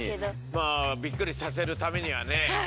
まあびっくりさせるためにはね。